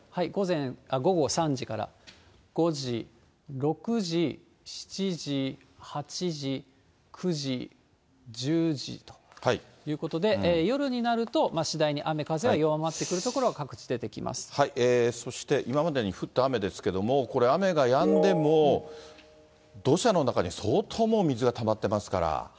午後３時から、５時、６時、７時、８時、９時、１０時ということで、夜になると次第に雨風は弱まってくる所は各そして今までに降った雨ですけど、これ、雨がやんでも、土砂の中に相当もう水がたまってますから。